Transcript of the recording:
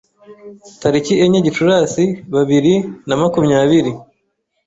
tariki enye Gicurasi bibiri na makumyabiri